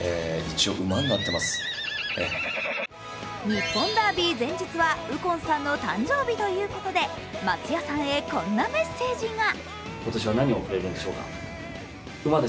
日本ダービー前日は右近さんの誕生日ということで松也さんへこんなメッセージが。